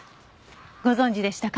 ご存じでしたか？